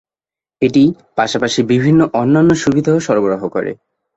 এটি পাশাপাশি বিভিন্ন অন্যান্য সুবিধাও সরবরাহ করে।